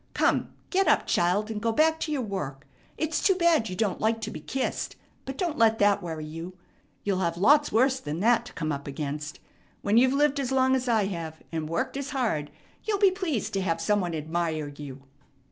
Come, get up, child, and go back to your work. It's too bad you don't like to be kissed, but don't let that worry you. You'll have lots worse than that to come up against. When you've lived as long as I have and worked as hard, you'll be pleased to have some one admire you.